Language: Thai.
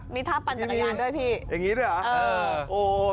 มีท่าปั่นปัญญาณด้วยพี่อย่างงี้ด้วยหรอเออโอ้สุดยอด